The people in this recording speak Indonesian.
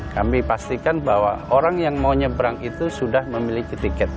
kami pastikan bahwa orang yang mau nyebrang itu sudah memiliki tiket